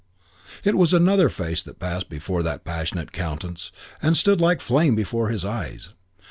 It was another face that passed before that passionate countenance and stood like flame before his eyes.